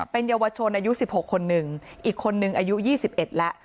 เป็นเยาวชนอายุ๑๖คนหนึ่งอีกคนนึงอายุ๒๑แล้ว